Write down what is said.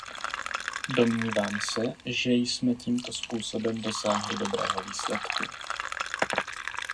Domnívám se, že jsme tímto způsobem dosáhli dobrého výsledku.